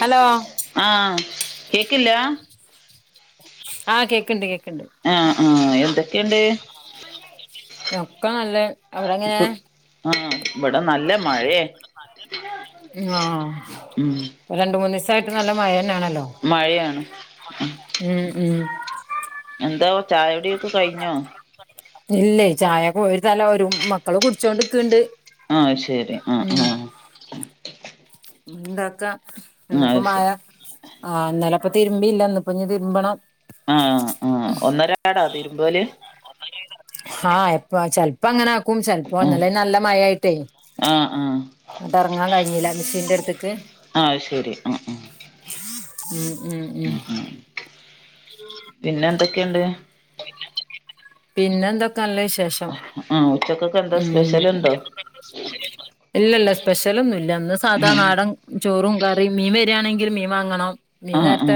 Hello ആഹ് കേക്കില്ലാ ആഹ് കേക്ക്ണ്ട് കേക്ക് ആഹ് ആഹ് എന്തൊക്കെണ്ട് ഒക്കെ നല്ലെ അവിടെങ്ങനെയാ? ആഹ് ഇബ്ടെ നല്ല മഴേ ഉം ആഹ് രണ്ട് മൂന്നെസായിട്ട് നല്ല മഴന്നാണല്ലോ മഴയാണ് ഉം ഉം എന്താ ചായടിയൊക്കെ കഴിഞ്ഞോ ഇല്ലേ ചായയൊക്കെ പോയി തല ഒരു മക്കള് കുടിച്ചോണ്ട്ക്കണ്ട് ആഹ് ശരി ആ ആഹ് ഉണ്ടാക്ക എന്നിപ്പോ ആഹ് മായ ശരി ആഹ് എന്ന്നാല അപ്പൊ തിരുമ്പിയില്ല ന്നപ്പ തിരുമ്പണം ആഹ് ആഹ് ഒന്നരാടാ തിരുമ്പല് ആഹ് എപ്പ ചെലപ്പോ അങ്ങനെ ആക്കും ചെലപ്പോ ആഹ് വന്നല്ലേ നല്ല മഴായിട്ടേ ആഹ് ആഹ് ട്ടറങ്ങാൻ കഴിഞ്ഞില്ല മെഷീന്റെ അടുത്തേക്ക് ആയ് ശരി ഉം ഉം ഉം ഉം ഉം ഉം പിന്നെ എന്തൊക്കെയുണ്ട് പിന്നെ എന്തൊക്കെയ നല്ല വിശേഷം ആഹ് ഉച്ചക്കൊക്കെ എന്താ ഉം സ്പെഷ്യൽ ഉണ്ടോ ഇല്ലല്ല സ്പെഷ്യലൊന്നുംല്ല അന്ന് സാധാ നാടൻ ചോറും കറിയും മീൻ വരികയാണെങ്കിൽ മീൻ വാങ്ങണം മീൻ ആഹ് നേരത്തെ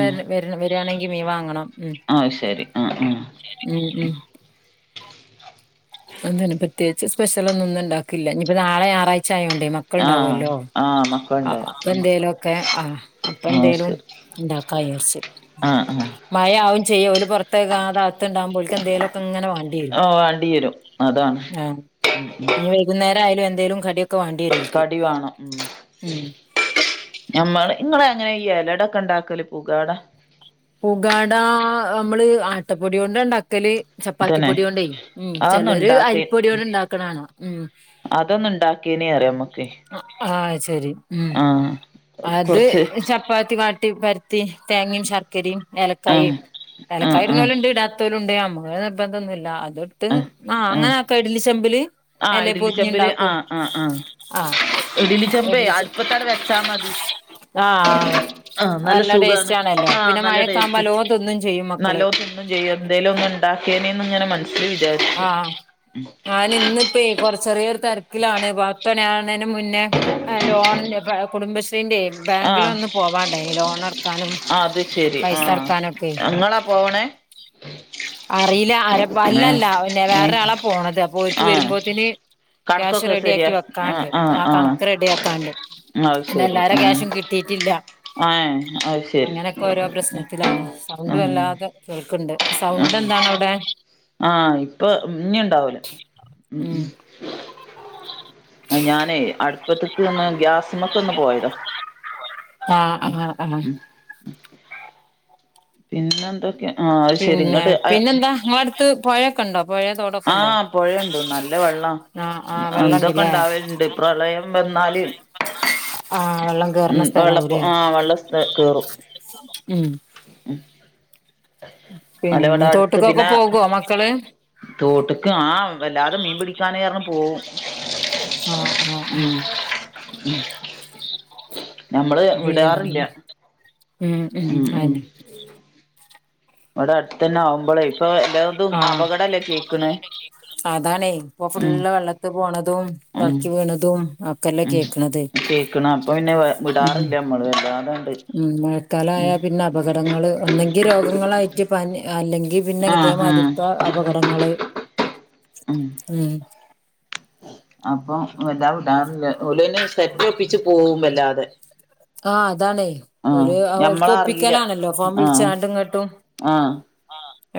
വരികയാണെങ്കിൽ മീൻ വാങ്ങണം ഉം ആയ് ശരി ആഹ് ആഹ് ഉം ഉം അന്തന്നെ പ്രത്യേകച്ച് സ്പെഷ്യല ഒന്നും ഉണ്ടികില്ല ഇനി ഇപ്പോ ഞായറാഴ്ച്ച ആയോണ്ടേ ആഹ് ആഹ് മ ആ അപ്പ എന്തേലും ഒക്കെ ആ അപ്പ ആഹ് എന്തേലും ശരി ഉണ്ടാക്കാ വിചാരിച്ച് ആഹ് ആഹ് മഴ ആവും ചെയ്യും ഓല് പുറത്തേ അതകത്തു ഉണ്ടാമ്പോഴേും എന്തേലുമൊക്കെ അങ്ങൊനെ ആഹ് [unintelligible] വരും അതാണ് വൈകുന്നേരയാലും എന്തേലും കടിയൊക്കെ വാണ്ടി വരും ഒൽക്ക് നമ്മള് ഇങ്ങള് എങ്ങനെ ഈ എലട ഒക്കെ ഉണ്ടാക്കല് പുകാട പുകാടാ നമ്മള് ആട്ടപ്പൊടി കൊണ്ടാ ഉണ്ട്ക്കല് ചപ്പാത്തി തന്നെ പൊടി കൊണ്ട് ഉം അതൊന്നും ചിലര് ഇണ്ടാക്കി അരിപ്പൊടി കൊണ്ട് ഇണ്ടാക്ക്ണാണ് ഉം അതൊന്ന് ഉണ്ടാക്കിയനേ പറിയാം നമ്മക്ക് ആഹ് ശെരി ഉം ആഹ് അത് കൊറച്ച് ചപ്പാത്തി വാട്ടി പെര ത്തി തേങ്ങയും ശർക്കരയും ഏലക്കായ് ആഹ് ആഹ് ഏലക്കായി ആഹ് ഇടുണോലും ഇണ്ട് ഇടാത്തോലും ഇണ്ട് ഞമ്മക്ക് നിർബന്ധം ഒന്നും ഇല്ല അത് ഇട്ട് ആഹ് ആ ആഹ് അങ്ങനെ ക്കെ ഇഡ്ഡലി ചെമ്പില് ആഹ് എല ഇഡലി പൊതിഞ്ഞ് ചെമ്പില് ഉണ്ടാക്കും ആഹ് ആഹ് ആഹ് ആഹ് ഇഡലി ചെമ്പ് ഇഡ്ലിചെ അടുപ്പത്തടെ വെച്ചാ മതി ആഹ് ആഹ് നല്ല ടേസ്റ്റ് സുഖമാണ് ആണല്ലോ ആഹ് പിന്നെ നല്ല മഴയൊക്കെ ആവുമ്പോ ടേസ്റ്റ് നല്ലോ തിന്നും ചെയ്യും മക്കള് നല്ലോം തിന്നും ചെയ്യും എന്തേലും ഒന്ന് ഉണ്ടാക്കിയേനന്ന് ഇങ്ങനെ മനസ്സിൽ വിചാരിച്ചു ആഹ് ഞാൻ ഇന്നിപ്പ കൊറ ചെറിയ ഒരു തിരക്കിലാണ് അപ്പ ഞൻ ന്റെ മുന്നേ ലോണിന്റെ കുടുംബശ്രീന്റെ ബാങ്കില് ആഹ് ഒന്ന് പോവാണ്ടേയിനി ലോണ് അടക്കാനും ആ അത് ശരി ആ പൈസ അടക്കാൻ ഒക്കെ ഇങ്ങളാ പോണേ അറിയില്ല അര അല്ലല്ല പിന്നെ ഏ വേറെരാളാ പോണത് അപ്പൊ ഒക്ക് ആ വരുമ്പോത്തന് ക്യാഷ് കണക്കൊക്കെ റെഡി ശരിയാ ആക്കി ആ വെക്കാണ്ട് ആ കണക്ക് റെഡി ആക്കാണ്ട് അത് പിന്നെ ശരി എല്ലാരും ആ ക്യാഷും കിട്ടിയിട്ടില്ല ആ അത് ശരി അങ്ങനെയൊക്കെ ഓരോ പ്രശ്നത്തിലാണ് സൗണ്ട് ഉം വല്ലാതെ കേൾക്കണ്ട് സൗണ്ട് എന്താണ് അവിടെ ആഹ് ഇപ്പൊ ഇഞ്ഞുണ്ടാവല ഉം ഉം ഞാനേയ് അടുപ്പത്തേക്ക് ഒന്ന് ഗ്യാസ്മക്ക് ഒന്ന് പോയതാ- ആഹ് ആഹ് ആഹ്- പിന്നെന്തൊക്കെയ? പിന്നെ പിന്നെന്താ ഇങ്ങളെ അടുത്ത് പുഴയൊക്കെ ഉണ്ടോ പുഴയ തോട്- ആഹ് പുഴയുണ്ട് നല്ല വെള്ളാ- ആഹ് ആഹ് ഇന്തൊക്കെ വെള്ളംണ്ട്ല്ലേ ഇണ്ടാവലുണ്ട് പ്രളയം വന്നാല്- ആഹ് വെള്ളം കേറുന്ന ഉം വെള്ളപ്പ സ്ഥലാവൂലേ ആഹ് വെള്ള കേറും. ഉം. [unintelligible] അല്ല പിന്നെ തോട്ടക്കൊക്കെ പോകുവോ മക്കള്? തോട്ടക്ക് ആഹ് വല്ലാതെ മീൻ പിടിക്കാന് പറഞ് പോവും. ആഹ് ആഹ് ആഹ്- ഉം ഞമ്മള് പിന്നെ വിടാറില്ല- ഉം ഉം അയെന്നെ- ഇവിടെ അടുത്ത് തന്നെ ആവും. ഇപ്പളെ ഇപ്പൊ എല്ലാതും ആഹ് അപകടല്ലേ കേക്കണ ഉം. ത്ത് പോണതും ഉം വള്ക്കി വീണതും- ഒക്കെല്ലേ ഉം കേക്കണത് കേക്കണ അപ്പൊ പിന്നെ ഉം വിടാറില്ല നമ്മള് വല്ലാതണ്ട്- ഉം മഴക്കാല ഉം ആയാ പിന്നെ അപകടങ്ങള് ഒന്നെങ്കി രോഗങ്ങളായി- പ അല്ലെങ്കി പിന്നെ ഇതേ ആഹ് മാ ആഹ് തിർതെ അപകടങ്ങള്- ഉം. അപ്പം എല്ലാ വിടാറില്ല ഓള് സെറ്റ് ഒപ്പിച്ച് പോകും വല്ലാതെ. ആഹ് അതാണേ ആഹ് ഒരു ഓക്ക് ഞമ്മളറിയില്ല ഒപ്പിക്കലാണല്ലോ ഫോൺ ആഹ് വിളിച്ചാണ്ടും ഇങ്ങോട്ടും. ആഹ് -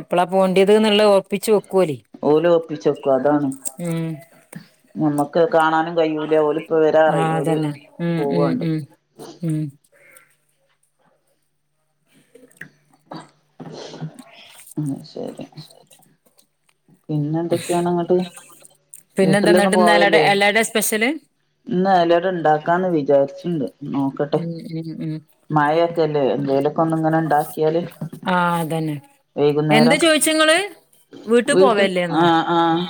എപ്പളാ പോണ്ടിയത് എന്നുള്ള ഓറപ്പിച്ച് വെക്കും ഓര്. ഓലും ഒപ്പിച്ചെക്കും അതാണ് നമ്മക്ക് കാണാനും കഴൂല ഓലും. ആഹ് അതന്നെ ഉം ഉം ഉം ഉം. ഉം ശരി. [inaudible] പിന്നെ എന്തൊക്കെയാണിങ്ങ്ട്ട് പിന്നെന്താ വീട്ടിലൊന്ന എന്നിട്ട് ഇന്ന് എലട പോവല്ലേ? എലട സ്പെഷ്യല് ഇന്ന് എലഅട ഇണ്ടാക്കാന്ന് വിചാരിച്ചുണ്ട് നോക്കട്ടെ. ഉം ഉം ഉം. മഴൊക്കെല്ലേ എന്തേലും- ഇങ്ങനെ ഉണ്ടാക്കിയാല് ആഹ് അതന്നെ വൈകുന്നേരം. എന്താ ചോയിച്ചങ്ങള് വീട്ട് വീട്ടിൽ പോവല്ലേന്നോ ആഹ് ആഹ്-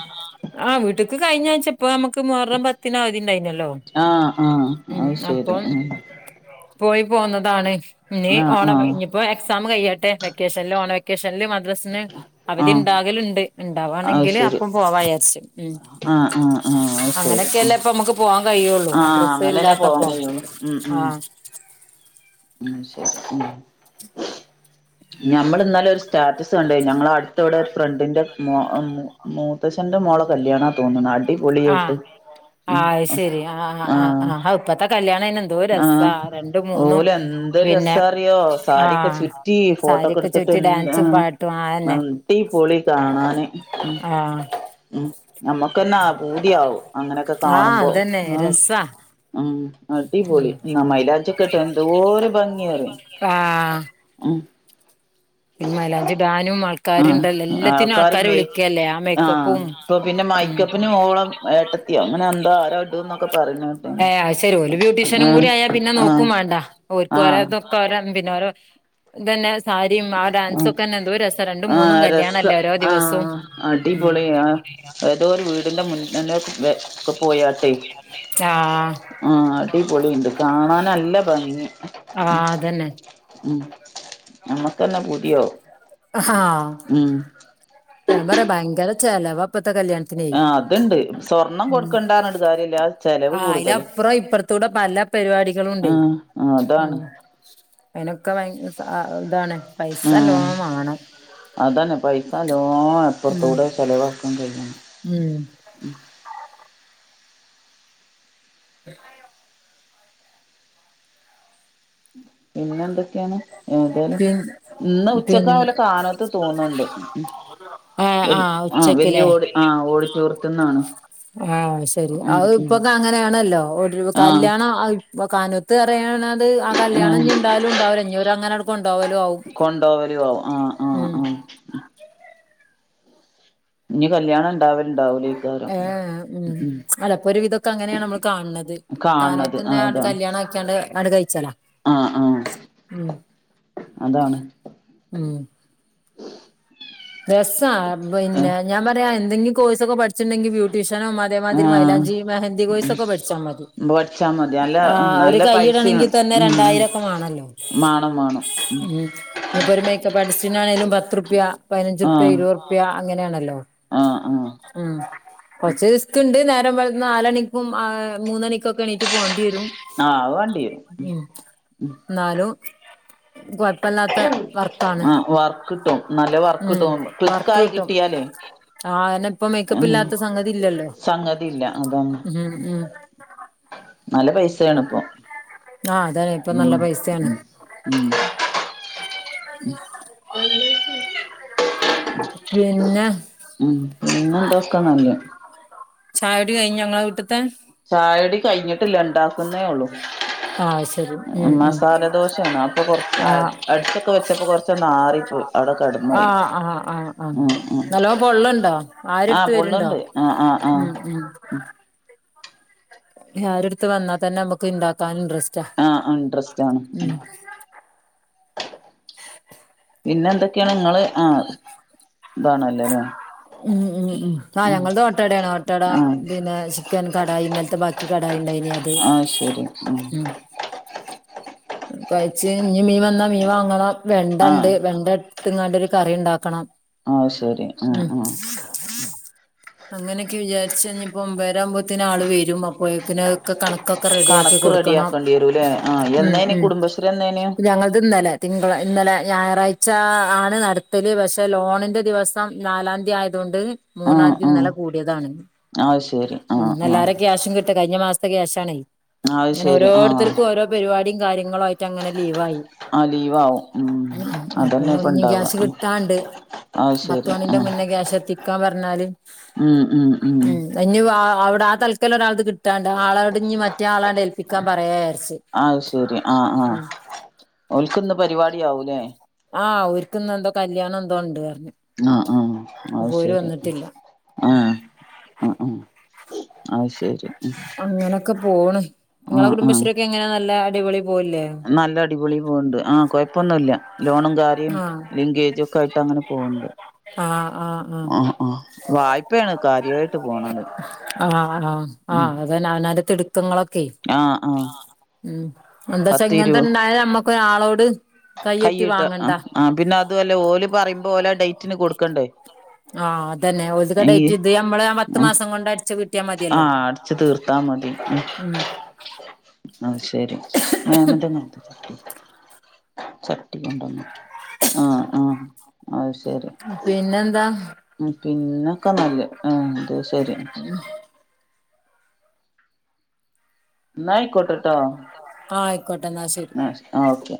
ആഹ് വീട്ടേക്ക് കഴിഞ്ഞ ആഴ്ച- ഇപ്പൊ നമ്മുക്ക് മുഹറം പത്തിന അവധിണ്ടായിനല്ലോ ആഹ് ആഹ് ഉം അത് ശരി അപ്പം- ഉം പോയി പോന്നതാണ് ഇനി ആഹ് ഓണവ- ആഹ് ഇപ്പൊ എക്സാം കഴിയട്ടെ വെക്കേഷനിൽ ഓണ വെക്കേഷനിൽ മദ്രസിന് അവധി ആഹ് ഉണ്ടാകലുണ്ട്. അത് ഉണ്ടാവാണെങ്കിൽ ശരി അപ്പം പോവാ വിചാരിച്ച് ആഹ് ആഹ് ആഹ് അത് ശരി ഉം അങ്ങനെയൊക്കെല്ല ഇപ്പ നമുക്ക്. പോവാാൻ കയുള്ളു ആഹ് മദ്രസ അങ്ങനെന്നെ പോവാൻ ഇല്ലാത്തപ്പം കഴിയുള്ളു ഉം ഉം ആഹ്- ഉം ശരി ഉം. ഞമ്മൾന്നിലെഒരുസ- സ്റ്റാറ്റസ് കണ്ടയ്ന് ഞങ്ങളെ അടുത്തവിടെ ഫ്രണ്ടിന്റെ മ മൂത്തശ്ന്റെ മോള കല്യാണം- തോന്നുണു അടിപൊളിയായിട്ട്. ആഹ് ഉം ആഹ് ശരി ആഹ് ആഹ് ആഹ് ഇപ്പഴത്തെ കല്യാണന് എന്തോരു ആഹ് രസാ രണ്ട് ഓല് എന്ത് രസാ അറിയോ സാരിയൊക്കെ ആഹ് ചുറ്റി. ഫോട്ടോക്കെ സാരിയൊക്കെ എടുത്തിട്ട് ചുറ്റി എന്താ. ഡാൻസും പാട്ടും ആഹ് അന്നെ അടിപൊളി കാണാന് ഉം ആഹ് ഉം ഞമ്മക്കെന്നെ പൂതിയാവും അങ്ങനെയൊക്കെ ആഹ് കാണുമ്പോ അതന്നെ ആഹ് രസാ ഉം അടിപൊളി ഉം എന്നാ മൈലാഞ്ചി ഒക്കെ ഇട്ടത് എന്തോര് ഭംഗിയറിയാം. ആഹ് പിന്ന മലാഞ്ചി ഇടാനും ആൾക്ക. ആക്കാരുണ്ടല്ലേ ആഹ് എല്ലാത്തിനും ആൾക്കാര് ആൾക്കാരെ മെയ് വിളിക്കല്ലേ ആ ആഹ് മേക്കപ്പും ഇപ്പൊ പിന്നെ ഉം മൈക്കപ്പിന് ഓളം ഏട്ടത്തിയോ അങ്ങനെ എന്തോ ആരോ ഇടുംന്നൊക്കെ പറയുന്ന കേട്ടീന് ഏന് അയ് ശരി ഓല് ബ്യൂട്ടീഷ്യനും ആഹ് കൂടി ആയാ പിന്നെ ആഹ് നോക്കും വേണ്ട. ഓക്ക ആഹ് ഓതൊക്കെ ഓര പിന്നെഓരോ ഇതന്നെ സാരി,. [unintelligible] ആ ഡാൻസ് ആഹ് ഒക്കെ തന്നെ എന്തോ രസം രണ്ടും മൂന്നും ആഹ് രസ കല്യാണമല്ലേ ഓരോ ദിവസവും ആഹ് ഉ. അടിപൊളി ആഹ് ഏതോ ഒരു വീടിന്റെ മുന്നുന്ന പോയാട്ടെ. ആഹ് ആഹ് അടിപൊളിയുണ്ട് കാണാൻ നല്ല ഭംഗി ആഹ് അതന്നെ. ഉം ഞമ്മക്കന്നെ പൂതിയാവും. ആഹ് ഉം. ഞാൻ പറയാ ഭയങ്കരം ചെലവാ ഇപ്പത്തെ കല്യാണത്തിന് ലെ ആഹ് അതുണ്ട് സ്വർണം കൊടുക്കണ്ടാ പറഞ്ഞിട്ട് കാര്യല്ല ആ ചെലവ് ആ കൂടുതല് അയിലപ്പുറം ഇപ്പറത്തൂടെ പല. പരിപാടികളുണ്ട് ആഹ് ഉണ്ട് ഉം അതാണ് അയ്നൊക്കെ ഭ യ സ ഇതാണ് പൈസ ആഹ് നല്ലോണം വാണം. അതന്നെ പൈസ നല്ലോണം ഉം അപ്പുറത്തൂടെ ചിലവാക്കാൻ കഴിയണം ഉം. ആയോ പിന്നെന്തൊക്കേണ് എന്തയലും പിൻ ഇന്ന് പിൻ ഉച്ചക്കാ ഓലെ കാന്നോത്ത് തോന്ന്ൺണ്ട് ആഹ് വൽ ആഹ് വല്യെ ഉച്ചക്ക്ല്ലേ ഓടി ആഹ് ഓടിറ്റോറിയത്ത്ന്നാണ് ആഹ് അയ് സരി അയ് ഇപ്പൊക്ക അങ്ങനയാണല്ലൊ ഒര് ആഹ് കല്യാണ കാനോ ത് പറയ്ണത് ആ കല്യാണം ആഹ് ഇഞി ഇണ്ടാവലും ഇണ്ടാവുല ഇഞ്ഞി ഓലങ്ങന കൊണ്ടോവലുണ്ടാവും ആവും കൊണ്ടോവലോ. ആവും ആഹ് ആഹ് ഉം ആഹ് ഇഞി കല്യാണം ഇണ്ടാവല്ണ്ടാവൂലെയ് ഏഹ് ഉം അല്ല ഇപ്പൊ ഒരു വിതൊക്കെ അങ്ങനേണ് നമ്മള് കാണ് ണത്. കാണണത് കാനൊത്തിന്നെ അതാണ് കല്യാണം ആക്കിയാണ്ട് ആണ്ട് കയ്ച്ചല ആഹ് ആഹ് ഉം അതാണ് ഉം രസ്സാ. പിന്നെ ഞാൻ പറയാ എന്തെങ്കി കോഴ്സൊക്കെ പഠിച്ച്ണ്ടെങ്കി ബ്യൂട്ടീഷ്യനൊ മ ഇതേമാതിരി ആഹ് മൈലാഞ്ചി മെഹന്ദി കോയ്സൊക്കെ പഠിച്ചാ മതി. പഠിച്ചാ മതി നല്ല ആഹ് ഒര് നല്ല കയ്യ് ഇടണെങ്കി പൈസയാണ് തന്നെ ഉം രണ്ടായിരൊക്ക മാണല്ലൊ മാണം മാണം ഉം ഇഞിപ്പൊര് മേക്കപ്പ് ആർട്ടിസ്റ്റിനാണേലും പത്ത്റ്പ്യ പതിനഞ്ച്ർപ്യ ആഹ് ഇരുപത്റ്പ്യ അങ്ങനേണല്ലൊ ആഹ് ആഹ് ആഹ് കൊറച്ച് റിസ്ക്ണ്ട് നേരം വെൾ നാലണിക്കും ആഹ് മൂന്നണിക്കൊക്ക എണീറ്റ് പോണ്ടേരും ആഹ് അയ് വാണ്ടി വരും ഇന്നാലു കൊഴപ്പല്ലാത്ത വർക്കാണ് ആഹ് വർക്ക് കിട്ടും നല്ല ഉം വർക്ക്ട്ടും വർക്ക് ക്ലിക്കായി കിട്ടും കിട്ടിയാലെ ആഹ് അയിനിപ്പം മേക്കപ്പ് എമ ഇല്ലാത്ത സംഗതി ഇല്ലല്ലോ സംഗതില്ല അതാണ് ഉം ഉം നല്ല പൈസേണ് ഇപ്പൊ ആഹ് അതാണ് ഇപ്പൊ ഉം നല്ല പൈസയാണ് ഉം ഉം [unintelligible] പിന്നെ ഉം പിന്നന്തൊക്ക ന്നല്ലെ ചായുടി കഴിഞ്ഞൊ ഇങ്ങള വീട്ട്ത്തെ ചായുടി കഴ്ഞ്ഞിട്ടില്ല ഇണ്ടാക്ക്ന്നെ ഉള്ളു. ആഹ് ശരി ഉം ഉം മസാലദോശേണ് അപ്പൊ കൊറ്ച്ച് ആഹ് അടിച്ചൊക്ക വെച്ചപ്പൊ കൊറ്ച്ച് ച്ചന്ന് ആറിപ്പോയ് അവടെ കടന്നോയി. ആഹ് ആഹ് ആഹ് ആഹ് ഉം ഉം നല്ലോ പൊള്ളുണ്ടോ ആഹ് ആരെടുത്ത് വരുണ്ടോ പെള്ള്ണ്ട്. ആഹ് ആഹ് ആഹ് ഉം ഉം ആരട്ത്ത് വന്ന തന്നെ ഞമ്മക്ക് ഇണ്ടാക്കാന് ഇൻട്രസ്റ്റ് ആഹ് ആ ഇൻട്രസ്റ്റാണ് പിന്നെ എന്തൊക്കേണ് ഇങ്ങള് ആഹ് ഇതാണല്ലെലേ ഉം ഉം ഉം ആഹ് ഞങ്ങൾത് ഒ ാട്ടടേണ് ഒ ാട്ടട ആഹ് പിന്ന ചിക്കൻ കടായി ഇന്നൽത്തെ ബാ കടായിണ്ടായ്നി അത് ആഹ് ശരി ഉം കഴ്ച്ച് ഇഞി മീൻ വന്ന മീൻ വാങ്ങണം. വെണ്ടണ്ട് ആഹ് വെണ്ട ഇട്ത്ത്ങ്ങാണ്ടൊരു കറി ഇണ്ടാക്കണം. അഹ് ശരി ആഹ് ആഹ് അങ്ങനൊക്കെ വിജാരിച്ച് ഇഞിപ്പൊ ഒമ്പരാവ്മ്പത്തിന് ആള് വരും അ പ്പൊയക്കിന് അഹ് കണക്കൊക്കെ റെഡിയാക്കി കണക്ക് കൊട്ക്കണം. റെഡിയാക്കേണ്ടി വരൂല്ലേ ആഹ് ഉം എന്നേനി ഉം കുടുംബശ്രീ എന്നേനി ഞങ്ങളൾത് ഇന്നലെ തിങ്കള ഇന്നലെ ഞായറാഴ്ചാ ആണ് നട്ത്തല്. പക്ഷെ ലോണിന്റെ ദിവസം നാലാംതീ ആയതോണ്ട് ആഹ് മൂന്നാംതി ആഹ് ഇന്നലെ കൂടിയേതാണ് അത് ശരി ഉം ആഹ് ആഹ് എല്ലാരു ക്യാഷും കി കഴിഞ്ഞ മാസ്ത്തെ ക്യാശാണെ. അത് ഇങ്ങനെ ശരി ആഹ് ഓരോര്ത്തർക്കും ഓരൊ പരിപാടി കാര്യങ്ങളു ആയിറ്റ് റ്റങ്ങനെ ലീവായി. ആ ലീവാവും ഉം അപ്പൊ അതന്നെ ഇപ്പ ഇഞി ഇണ്ടാവ ക്യാഷ് ഉം കിട്ടാണ്ട്. അത് പത്ത് ശരി മണിന്റെ ആഹ് മുന്നെ ക്യാശെത്തിക്കാ പറ്ഞ്ഞാല് ഉം ഉം ഉം ഞിവാ അവടെ ആ തൽക്കലൊരാൾത് കി ട്ടാണ്ട് ആളോടിഞ്ഞ് മറ്റേ ആളാണ്ട് ഏൽപ്പിക്കാ പറയാരിച്ച് ഉ ഒ ാൽക്ക്ന്ന് പരിവാടിയാവൂലേ ആഹ് ഒ ാരിക്ക്ന്നന്തോ കല്യാണം എന്തോ ഉണ്ട് പറ്ഞ്ഞ്. ആഹ ആഹ അഹ്ശെരി ആഹ ആ ആ അഹ് ശരി അങ്ങനൊക്കെ പോണ് നിങ്ങളെ ആഹ് ആഹ് കുടുംബശ്രീക്കെ എങ്ങനെ നല്ല അടിപൊളി പോവില്ലേ നല്ല അടിപൊളി പോവ്ണ്ട് ആ കൊഴപ്പന്നുല്ല്യ ലോണും കാര്യും ആഹ് ലിങ്കേജും ഒക്കെ ആയിട്ട് അങ്ങനെ പോവുണ്ട് ആ ആ ആ ആ ആ വായ്പയാണ് കാര്യായിട്ട് പോണാത്. ആഹ ആഹ് ആഹ അത് അവനാന്റെ തിടുക്കങ്ങളൊക്കെ ആ ആ എന്താചാ ഇങനതെണ്ടായ ഞമ്മ ക്ക് ഒരാളോട് കൈയ്യെട്ടി കൈയിട്ട് വാങ്ങണ്ട ആ പിന്നെ അതുല്ല ഓല് പറയുമ്പോ ഓലാ ഡേറ്റിന് കൊടുക്കണ്ടേ? ആ അതന്നെ ഒ ാൽത കെ ഈ ടെയ്റ്റ് ഇത് മ്മള് പത്ത് ആ മാസം കൊണ്ട് അടിച്ച് വീട്ടിയാൽ മതി. ആ അടിച്ച് തീർത്താ മതി ഉ ഉം അഹ് ശരി ആ അങ്ങൻതന്നെ മറ്റ ചട്ടി കൊണ്ടന്നു ആഹ് ആഹ് അത് ശരി പിന്നെന്താ ഉം പിന്നൊക്കെ നല്ല ആ അത് ശരി ഉം ഇന്നായികൊട്ട ആയിക്കോട്ടെ ന്നാശരി ആഹ് ഓക്കെ